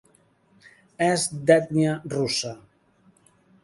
És d'ètnia russa.